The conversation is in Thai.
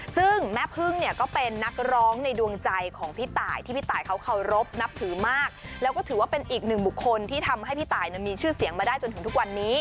ซึ่งแม่พึ่งเนี่ยก็เป็นนักร้องในดวงใจของพี่ตายที่พี่ตายเขาเคารพนับถือมากแล้วก็ถือว่าเป็นอีกหนึ่งบุคคลที่ทำให้พี่ตายมีชื่อเสียงมาได้จนถึงทุกวันนี้